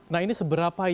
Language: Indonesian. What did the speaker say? nah ini seberapa yakin